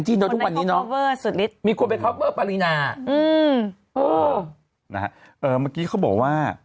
ที่เราทุกวันนี้เนาะสุดลิดมีความเป็นอืมนะฮะเออเมื่อกี้เขาบอกว่า